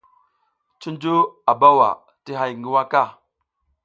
Cunju a bawa ti hay ngi waka.